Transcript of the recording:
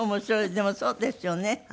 でもそうですよね。